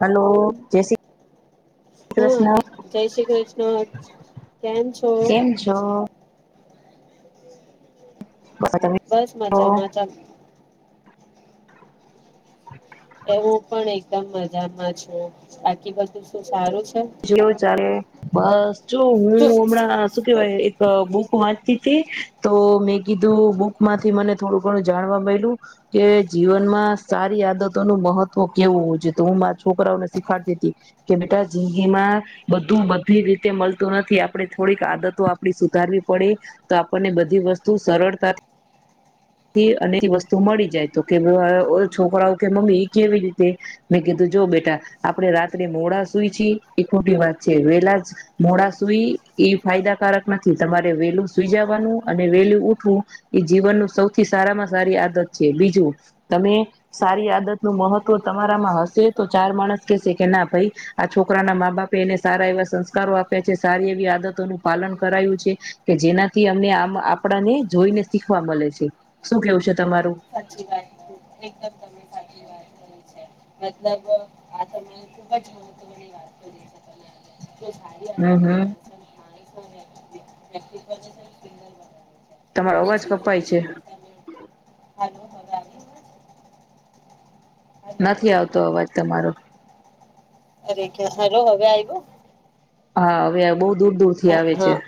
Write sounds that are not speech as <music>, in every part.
Hello! જય શ્રી હા કૃષ્ણ. જય <unintelligible> કેમ છો? કેમ છો બસ તમે બસ કહો, મજામાંજા. <unintelligible> એ હું પણ એકદમ મજામાં છું. બાકી બધું શું સારું છે? જેવું ચાલે. બસ. જો હું હમણાં શું કેવાય અ બુક વાંચતી હતી તો મેં કીધું બુકમાંથી મને થોડું ઘણું જાણવા મળલું કે જીવનમાં સારી આદતો નું મહત્વ કેવું હો છે. તો હું મારા છોકરાઓને શીખાડતી હતી, કે બેટા જગીમાં બધું બધી રીતે મળતું નથી આપણે થોડીક આદતો આપડી સુધારવી પડે, તો આપણને બધી વસ્તુ સરળતાથી અને વસ્તુ મળી જાય તો કે છોકરાઓ કે મમ્મી એ કેવી રીતે? મેં કીધું જો બેટા આપણે રાત્રે મોડા સુઈ છી, એ ખોટી વાત છે. વેલા મોડા સુઈ એ ફાયદાકારક નથી તમારે વેલું સુઈ જવાનું અને વેલું ઉઠવું એ જીવનનું સૌ સારામાં સારી આદત છે. બીજું તમે સારી આદત નું મહત્વ તમારામાં હશે તો ચાર માણસ કેશે કે ના ભાઈ આ છોકરાના મા બાપે એને સારા એવા સંસ્કારો આપ્યા છે સારી એવી આદતોનું પાલન કરાયું છે કે જેનાથી અમને આપણાને જોઈને શીખવા મળે છે. શું કેવું છે તમારું? સાચી વાત, એકદમ સાચી વાત કરી છે. મતલબ આ તમે ખુબ જ મહત્વની વાત કરી છે. હમ હમ તમારો અવાજ કપાય છે <unintelligible> <unintelligible> <unintelligible> <unintelligible> નથી આવતો અવાજ તમારો. અરે કે્યા હેલો હવે આવ્યું. હા, હવે બહ દૂર દૂરથી આવે છે. હા.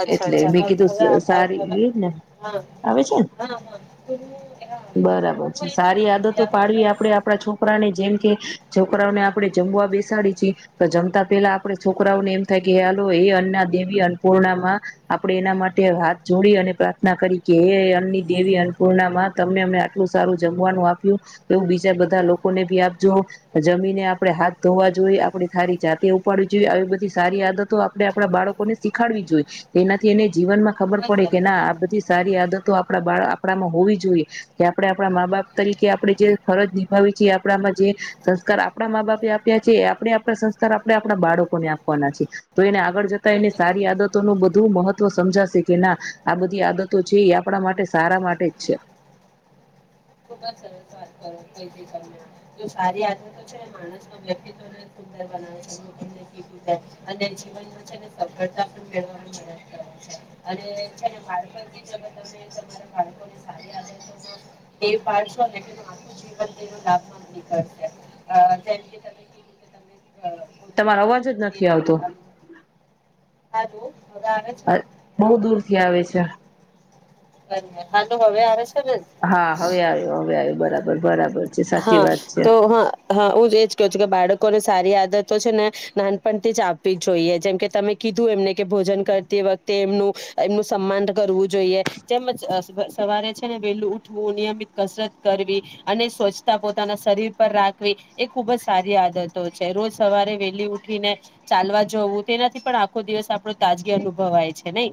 અચ્છા એટલે અચ્છા મેં હવે હવે આ કીધું આ સારી હવે એ ને હા હા આવે છે ને હા તો હું એના આવે બરાબર હું છે એજ કઉ સારી છું કે આદતો આ ખુબ પાડવી આપે જ આપડા છોકરાને જેમ કે છોકરાઓને આપડે જમવા બેસાડી છીએ તો જમતા પેલા આપડે છોકરાઓ ને એમ થાય કે હાલો એ અન્ના દેવી અન્નપૂર્ણા આપે એના માટે હાથ જોડી અને પ્રાર્થના કરી કે એ અન્ની દેવી અન્નપૂર્ણામાં તમને અમને આટલું સારું જમવાનું આપ્યું, એવું બીજા બધા લોકોને ભી આપજો જમીને આપણે હાથ ધોવા જોઈએ, આપે સારી જાતે ઉપાડવી જોઈએ આવી બધી સારી આદતો આપે આપડા બાળકોને શીખાડવી જોઈએ. એનાથી એને જીવનમાં ખુબ ખબર જ પડે કે સરસ ના આ બધી સારી આદતો આપણા બા આપણામાં હોવી જોઈએ કે આપણેે આપણા મા બાપ તરીકે આપણે જે ફરજ નિભાવી છીએ આપણામાં જે સંસ્કાર આપણા મા બાપે આપ્યા છે. આપણે આપણા સંસ્કાર આપણે આપણા બાળકોને આપવાના છે. તો એને આગળ જતા એને ખુબ જ સારી આદત નું બધું મહત્વ સમજાશે કે ના આ બધી આદતો છે એ આપણા માટે સારા માટે જ છે. ખુબ જ સરસ વાત કરી તમે તો સારી આદતો છે. માણસ વ્યક્તિત્ સુંદર બનાવે છે જેમ તમે કીધું તેમ અને જીવનમાં છેને સફળતા પણ મેળ માં મદદ કરે છે, અને છે તમારા બાળકો સ આદતો એ પાડશો ને તમારું જીવન તેનો લાભ નીકળશે જેમ કે તમે કેું કે તમે. <inaudible> હ તમારો પર અવાજ જ નથી આવતો તેનનેાલુ. <inaudible> હા તો. હદગ છે. <unintelligible> થી આવે છે. બ હાલું હવે હરે છે. <unintelligible> હા હવે આવ્યો હવે આવ્યો. બરાબર બરાબર. છે સાચી હા વાત છે તો હ, હા, હું જ એજ કહ છું કે બાળક. લોકોને સારી આદતો છે ને નાનપણથી જ આપવી જોઈએ જેમ કે તમે કીધું એમને કે ભોજન કરતી વખતે એમનું એમનું સન્માન કરવું જોઈએ જેમ જ સવારે છે ને વેલું ઉઠવું નિયમિત કસરત કરવી અને સ્વચ્છ પોતાના શરીર પર રાખવી એ ખુબ જ સારી આદતો છે રોજ સવારે વેલી ઉઠીને ચાલવા જવું તેનાથી પણ આખો દિવસ આપણો તાજગી અનુભવાય છે નઈ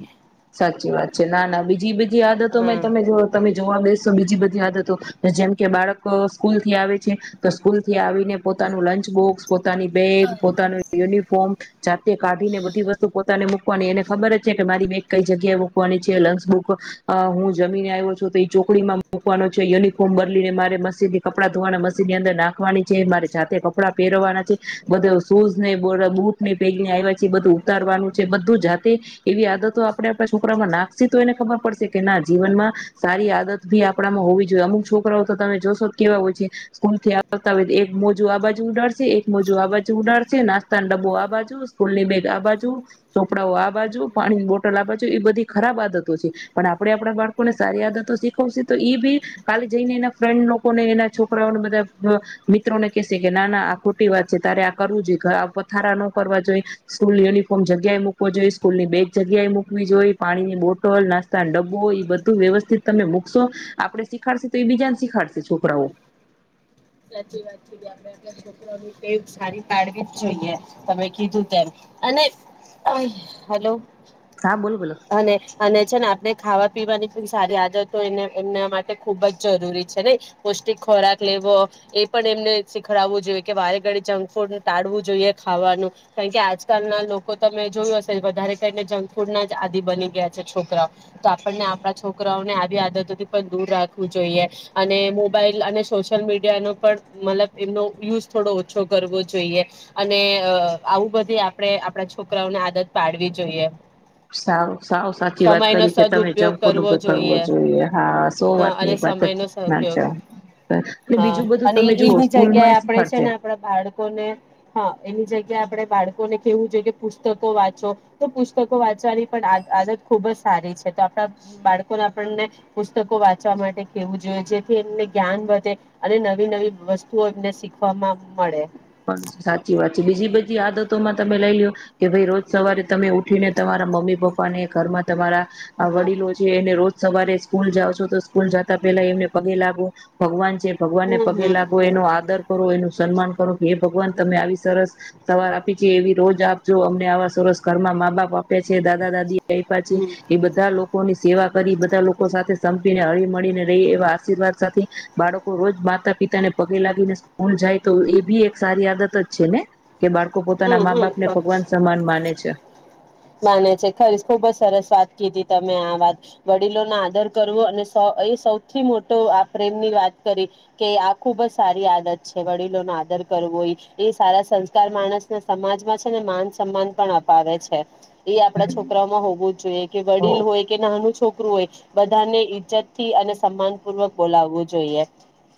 સાચી વાત છે ના ના બીજી બધી હા આદતોમાં તમે જો તમે જોવા બેસો બીજી બધી આદતો જેમ કે બાળક સ્કૂલ થી આવે છે તો સ્કૂલ થી આવી પોતાનું લંચ બોક્સ પોતાની બેગ પોતાનું યુનિફોર્મ જાતે કાઢીને બધી વસ્તુ પોતાને મૂકવાની એને ખબર જ છે કે મારી બે કઈ જગ્યાએ મકવાની છે લંચ બુક હું જમીને આવ્યો છું તો એ ચોકડીમાં મૂકવાનો છે યુનિફોર્મ બદલીને મારે મશીદ કપડા ધોવાના મશન ની અંદર નાખવાની છે મારે જાતે કપડાં પહેરવાના છે બધ શૂઝ ને બુટ ને પેગને આવ્યા છે બધું ઉતારવાનું છે બધું જાતે એવી આદતો છોકરામાં નાખી તો એને ખબર પડશે કે ના જીવનમાં સારી આદત ભી આપડામાં હોવી જોઈએ અમુક છોકરાઓ તો તમે જોશો કેવા હોય છે સ્કૂલ થી આવતા હોય એક મોજું આ બાજુ ઉડાડશે એક મોજું આ બાજુ ઉડાડશે નાસ્તા ડબ્બો આ બાજુ સ્કૂલની બેગ આ બાજુ ચોપડાઓ આ બાજુ પાણીની બોટલ એ બધી ખરાબ આદતો છે પણ આપણે આપણા બાળકોને સારી આદતો શીખવશે તો એ બી કાલે જઈને એના ફ્રેન્ડ લોકોને એના છોકરાઓને બધા મિત્રોને કેહેશે કે ના ના આ ખોટી વાત છે તારે આ કરવું જોઈએ પથારા ન કરવા જોઈએ સ્કૂલ યુનિફોર્મ જગ્યાએ મૂકવો જોઈએ સ્કૂલની બેગ્યા જગ્યા મૂકવી જોઈ પાણીની બોટલ નાસ્તા ડબ્બો એ બધું વ્યવસ્થિત તમે મૂકશો આપડણે શીખાડશે તો એ બીજાને શીખાડશે છોકરાઓ સાચી વાત ગ આપે છોકરા ક સારી પાળવી જ જોઈએ તમે કીધું તેમ અને હલો હા બોલો બોલો <unintelligible> અને અને છે ને આપણે ખાવા પીવાની પણ સારી આદતો એને એમના માટે ખૂબ જ જરૂરી છે નય પૌષ્ટિક ખોરાક લેવો એ પણ એમને શીખડાવું જોઈએ કે વારે ઘડીયે જંક ફૂડ ટાળવું જોઈએ ખાવાનું કારણ કે આજકાલના લોકો તમે જોયુ હશે વધારે ખાય ને જંક ફૂડ ના જ આદિ બની ગયા છે છોકરાઓ તો આપણને આપણા છોકરાઓને આવી આદતોથી પણ દૂર રાખવું જોઈએ અને મોબાઈલ અને સોશિયલ મીડિયા ન પણ મતલબ એમનો યુઝ થોડો ઓછો કરવો જોઈએ અને અ આવું બધી આપણે આપડા છોકરાઓને આદત પાડવી જોઈએ સાવ સાવ સાચી વાત કરી કે તમે જકંફુડ નો ઉપયોગ કરવો જોઈએ હા સો હા વાત ની અને એક વાત સમયનો સદઉપયોગ નાચા હા અને એની જગ્યાએ આપણે છે શીખાડશે ને આપણા બાળકોને હા એની જગ્યાએ આપણેે બાળકો કેવું જોઈએ કે પુસ્તકો વાંચો તો પુસ્તકો વાંચવાની પણ આદત ખુબ જ સારી છે તો આપણા બાળકોને આપણને પુસ્તકો વાંચવા માટે કેવું જોઈએ જેથી એમને જ્ઞાન વધે અને નવી નવી વસ્તુઓ એમને શીખવાવામાં મળે પણ સાચી વાત છે બીજી બધી આદતોમાં તમે લઈ લો્યો કે ભાઈ રોજ સવારે તમે ઉઠીને તમારા મમ્મી પપ્પા પ્પાને ઘરમાં તમારા હમ વડીલો છે એને રોજ સવારે સ્કૂલ જાાવ છો તો સ્કૂલ જતા પેલા એમને પગે લાગો ભગવાન જે ભગવાન ને હમ પગે લાગો એનો આદર કરો એનું સન્માન હે ભગવાન તમે આવી સરસ સવાર આપી છે એવી રોજ આપજો અમને આવા સરસ ઘરમાં મા બાપ આપ છે દાદા દાદી આપ્યા છે હમ એ બધા લોકો ની સેવા કરી બધા લોકો સાથે સંપીને હળી મળીને રહી એવા આશીર્વાદ સાથે બાળકો રોજ માતા પિતા ને પગે લાગીને સ્કૂલ જાય તો એ ભી એક સારી આદત જ છે ને કે બાળકો હમ પોતાના હમ મા બાપને હમ ભગવાન સમાન માને છે માને છે ખરી ખુબજ સરસ વાત કીધી તમે આ વાત વડીલો નો આદર કરવો અને સો એ સૌથી મોટો આ પ્રેમ ની વાત કરી કે આ ખુબ જ સારી આદત છે વડીલોનો આદર કરવો એ એ સારા સંસ્કાર માણસને સમાજમાં છે ને માન સન્માન પણ અપાવે છે એ આપડા છોકરાઓમાં હોવું જ જોઇ કે ઓ વડીલ હોય કે નાનું છોકરું હોય બધાને ઈજ્જત થી અને સન્માન પૂર્વક બોલાવવું જોઈએ.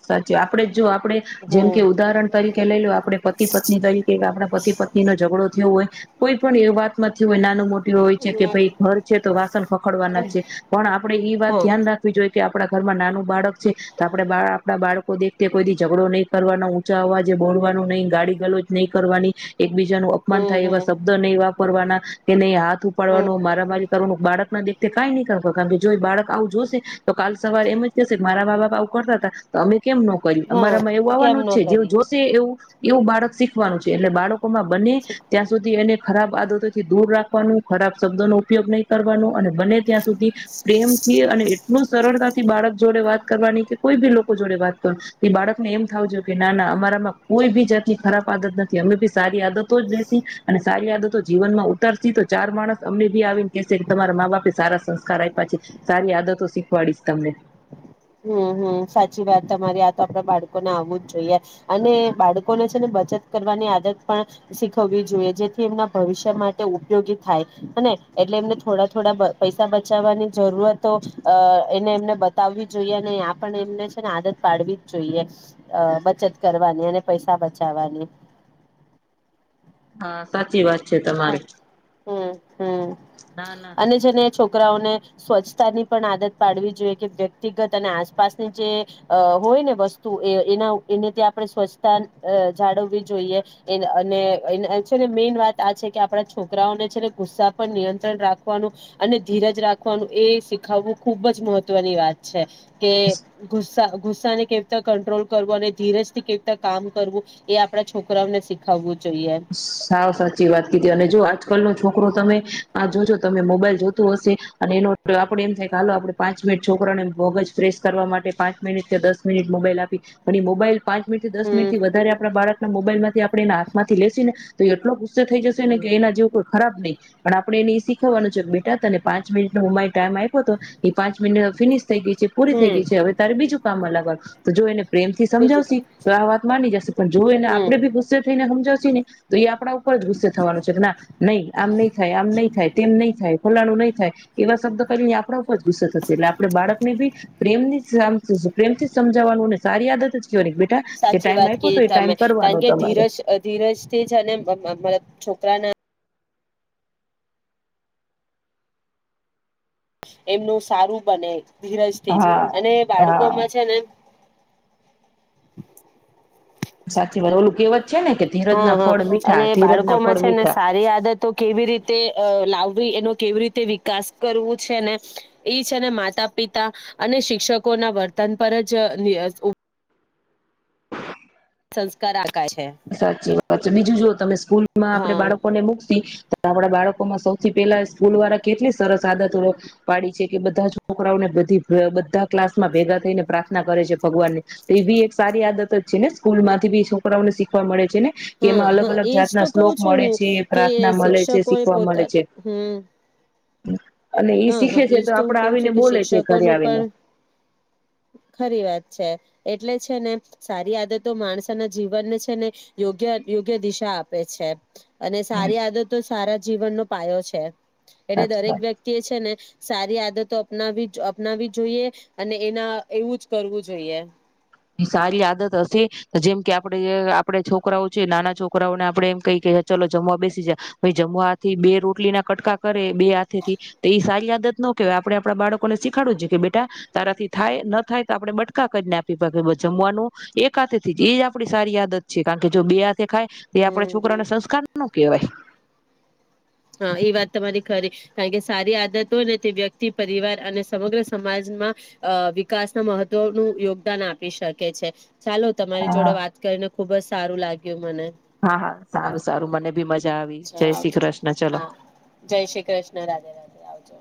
સાચું આપડે જો આપડણે જેમ કે હમ ઉદાહરણ તરીકે લઈ લો આપડે પતિ પત્ની તરીકે આપણા પતિ પત્ની નો ઝઘડો હોય કોઈ પણ એ વાત માથી હોય નાનું મોટું હોય છે કે હ ભાઈ ઘર છે તો વાસણ ખખડવાના છે પણ આપડે ઈ વાત હમ ધ્યાન રાખવી જોઈએ કે આપડા ઘરમાં નાનું બાળક છે તો આપડે બા- આપના બાળકો દેખતે કોઈ દી ઝઘડો નહીં કરવાનો ઊંચા અવાજે બોલવાનું નહીં ગાડી ગલોજ નહીં કરવાની. એકબીજાનું હમ અપમાન થાય એવા હમ શબ્દ નહીં વા કરવાના કે ન આ હમ ઉપાડવાનું મારા મારી કરતું બાળક એમના દેખતા કાંઈ નહીં કરવાનું કારણ કે જો એ બાળક આવું જોશે તો કાલ સવારે એમ જ થશે મારા બા બાપ આવું કરતા હતા. તમે કેમ ન કર્યું હા અમારામાં એવું કેમ આવવાનું જ ન છે. જેવ કરીએ જોશે એવું એવું બાળક શીખવાનું છે એટલે બાળક બને ત્યાં સુધી એને ખરાબ આદતોથી દૂર રાખવાનું ખરાબ શબ્દોનો ઉપયોગ નહીં કરવાનો અને બને ત્યાં પ્રેમથી અને એટલું સરળતાથી બાળક જોડે વાત કરવાની કે કોઈ બી લોકો જોડે વાત કર એ બાળકને એમ થાવજો કે ના ના અમારામાં કોઈ બી જાતની ખરાબ આદત નથી અમે બી સારી આદતો લેસી અને સારી આદતો જીવનમાં ઉતારશી તો ચાર માણસ અમને બી આવીને કેશે કે તમારા મા બાપે સારા સંસ્કાર આપ્યા છે સારી આદતો શીખવાડીશ તમને. હમ હમ સાચી વાત તમારી આ તો આપણા બાળકોને આવવું જ જોઈએ અને બાળકોને છે ને બચત કરવાની આદત પણ શીખવવી જોઈએ જેથી એમના ભવિષ્ય માટે ઉપયોગી થાય હને એટલે એમને થોડા થોડા પૈસા બચાવવાની જરૂરતો એને એમને બતાવવી. જોઈએ અને આપ એમને છે ને આદત પાડવી જ જોઈએ અ બચત કરવાની અને પૈસા બચાવવાની. હા સાચી વાત. છે હા તમારી હમ. હમ ના ના અને જેને છોકરી છોકરાઓને સ્વચ્છતા ની પણ આદત પાડવી જોઈએ કે વ્યક્તિગત અને આસપાસની જે હોયને વસ્તુ એના એને આપણે સ્વચ્છતા જાળવવી જોઈએ અને છેને મેન વાત આ છે કે આપડા છોકરાઓને છેને ગુસ્સા પર નિયંત્રણ રાખવાનું અને ધીરજ રાખવાનું એ શીખાવવું ખુબ જ મહત્વની વાત છે. કે ગુસ્સા ગુસ્સાને કેવી રીતે કંટ્રોલ કરવો અને ધીરજથી કેવી રીતે કામ કરવું એ આપડા છોકરાઓને શીખાવવું સાવ સાચી વાત કીધી અને જો આજકાલનો છોકરો તમે આ જોજો તમે મોબાઈલ જોતું હશે અને એનો આપડે એમ થાય કે હાલો આપડે પાંચ મિનિટ છોકરાને મગજ ફ્રેશ કરવા માટે પાંચ મિનિટ કે દસ મિનિટ મોબાઈલ આપી અને મોબાઈલ પાંચ મિનીટથી દસ હમ મિનીટથી વધારે આપણા બાળકને મોબાઈલ મોબાઈલમાંથી આપણે હાથમાં લેશે ને તો એટલો થઈ જશે ને હમ કે એના જેવુ કોઈ ખરાબ નહીં પણ આપડે એને એ શીખવાનું છે બેટા તને પાંચ મિનિટનો મમ્મા ટાઈમ આપ્યો હતો એ પાંચ મિનિટ ફિનિશ થઈ ગઈ છે પૂરી થઈ ગઈ હમ છે હવે તારે બીજું કામ અલગ તો જો એને પ્રેમથી બીજું સમજાવશે તો આ વાત માની જશે પણ જો એને હમ આપણે ભી ગુસ્સે થઈને હમજાવ તો એ આપણા ઉપર જ ગુસ્સે થવાનું છે કે ના નહી આમ નહી થાય આમ નહી થાય તેમ નહી થાય. ઓલાનું નહી થાય એવા શબ્દ કને આપણા ઉપર ગુસ્સે થશે એટલે આપણે બાળકને બી પ્રેમ પ્રેમથી જ <unintelligible> સમજાવવાનુંને સારી આદત જ કહેવાની બેટા જે સાચી ટાઈમ વાત આપ્યો તો કીધી એ તમે ટાઈમ કારણ કરવાનો કે તમારે ધીરજ ધીરજ તે જ અને મારા છોકરાના એમનું સારું બને. ધીરજથી જ હા અને હા બાળકો માં છે, ને <inaudible> સાચીવા ઓલું કેવત હ, હ, અને ના બાળકોમાં ફળ છે, ને મીઠા સારી આદતો કેવી રીતે અ લાવવી એનો કેવી રીતે વિકાસ કરવું છે, ને એ છે, ને માતા પિતા અને શિક્ષકોના વર્તન પર જ ની ઉ સંસ્કાર આ સાચી વાત બીજું જો તમે સ્કૂલમાં આપે હા બાળકોને મુક્તી આપણા બાળકો માં સૌથી પેલા સ્કૂલ વાળા કેટલી સરસ આદતો પાડી છે કે બધા છોકરાઓને બધી બધા ક્લાસ માં ભેગા થઈને પ્રા થના કરે છે. ભગવાનને તે એ બી એક સારી આદત જ છે, ને સ્કૂલમાંથી બી છોકરાઓને શીખ પણ મળે. છે ને કે હા એમાં અલગ હા અલગ એજ જાતના તો કહ શ્લોક છું મળે હું છે. કે પ્રાર્થના મલે છે. શિક્ષકો એ શીખવા મળે પોતા છે. <inaudible> હ, હ, શીખે છે ઈજ તો હું આપડે કવ આવીને છું કે, બોલે છે ઘરે શિક્ષકોનું આવીને પણ ખરી વાત છે. એટલે છે, ને સારી આદતો માણસના જીવનને છે, ને યોગ્ય યોગ્ય દિશા આપે છે. અને હમ સારી આદતો સારા જીવનનો પાયો છે. એટલે સાચી વાત દરેક વ્યક્ત ને સારી આદતો અપનાવી અપનાવી જોઈએ. અને એના એવું જ કરવું જોઈએ. ઈ સારી આદત હશે. જેમ કે, આપડે આપડે છોકરાઓ છે. નાના છોકરાઓને આપડે એમ કહી કે ચાલ જમવા બેસી જા. પહી જમવાથી બે રોટલી ના કટકા કર બે હાથેથી તો ઈ સારી આદત ન કેવાય. આપણેે આપડા બાળકો ને શીખાડું જ કે બેટા તારાથી થાય. ન થાય, તો આપડણે બટકા કરને આપ ટ <unintelligible> જમવાનું. એકા થે થી એજ આપણી સારી આદત છે. કારણ કે, જો બે હાથ ખાય. તે આપણે હમ છોકરાને સંસ્કાર ન કેવાય. હ, એ વાત તમારી ખરી. કારણ કે, સારી આદતો હોયને તે વ્યક્તિ પરિવાર અને સમગ્ર સમાજમાં અ વિકાસના મહત્વનું યોગદાન આપી શકે છે. ચાલો તમારી જોડે હા. વાત કરીને, ખુબ જ સારું લા કે મને હા હા સારું સારું મને બી મજા આવી અચ્છા જય શ્રી આવજો કૃષ્ન. હા જય શ્રી કૃષ્ન રાધે રાધે આવજો.